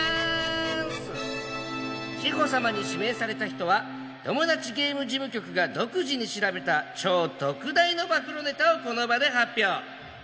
志法様に指名された人はトモダチゲーム事務局が独自に調べた超特大の暴露ネタをこの場で発表。